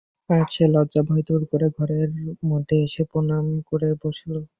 আজ সে লজ্জাভয় দূর করে ঘরের মধ্যে এসে প্রণাম করে বসল।